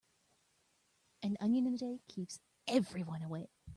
An onion a day keeps everyone away.